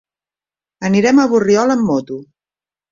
Anirem a Borriol amb moto.